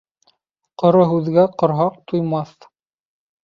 Ҡоро һүҙгә ҡорһаҡ туймаҫ.